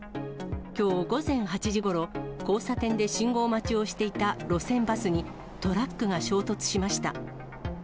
きょう午前８時ごろ、交差点で信号待ちをしていた路線バスに、トラックが衝突しました。